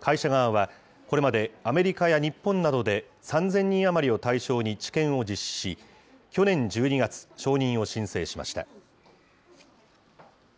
会社側はこれまで、アメリカや日本などで、３０００人余りを対象に治験を実施し、去年１２月、承認を申請しました。